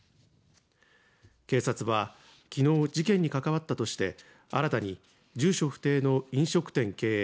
警察はきのう事件に関わったとして新たに住所不定の飲食店経営